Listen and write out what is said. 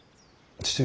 父上！